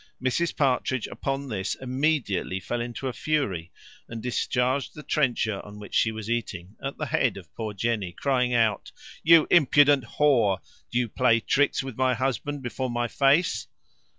Mrs Partridge, upon this, immediately fell into a fury, and discharged the trencher on which she was eating, at the head of poor Jenny, crying out, "You impudent whore, do you play tricks with my husband before my face?"